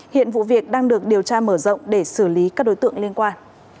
hiện vụ việc đang được điều tra mở rộng để xử lý các đối tượng liên quan